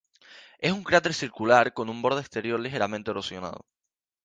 Es un cráter circular con un borde exterior ligeramente erosionado.